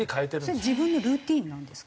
それ自分のルーティンなんですか？